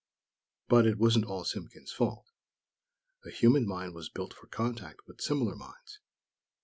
But it wasn't all Simpkins' fault. A human mind was built for contact with similar minds.